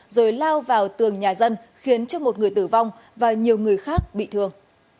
rồi lao vào tường nhà dân khiến cho một người tử vong và nhiều người khác bị thương